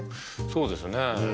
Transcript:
そうですね